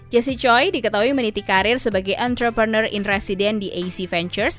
jessi choi diketahui meniti karir sebagai entrepreneur in resident di ac ventures